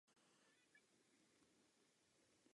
Stejné místo.